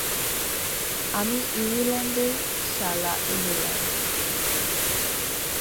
আমি ইরেল্যান্ডের - সালা ইংল্যান্ড!